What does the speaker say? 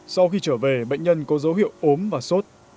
sau khi trở về bệnh nhân có dấu hiệu ốm và sốt